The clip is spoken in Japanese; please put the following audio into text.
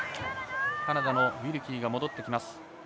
カナダのウィルキー戻ってきます。